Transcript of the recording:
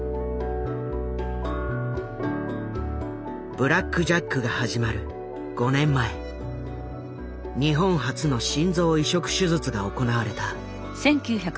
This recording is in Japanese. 「ブラック・ジャック」が始まる５年前日本初の心臓移植手術が行われた。